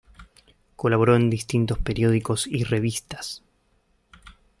Colaboró en distintos periódicos y revistas.